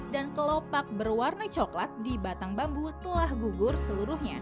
dan kelopak berwarna coklat di batang bambu telah gugur seluruhnya